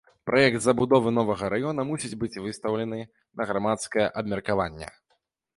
Праект забудовы новага раёна мусіць быць выстаўлены на грамадскае абмеркаванне.